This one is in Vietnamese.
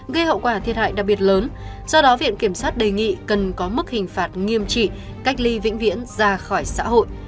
gây hậu quả thiệt hại đặc biệt lớn do đó viện kiểm sát đề nghị cần có mức hình phạt nghiêm trị cách ly vĩnh viễn ra khỏi xã hội